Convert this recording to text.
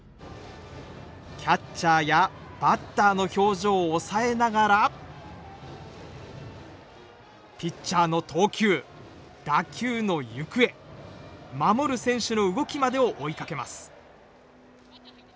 キャッチャーやバッターの表情をおさえながらピッチャーの投球、打球の行方守る選手の動きまでを追いかけます。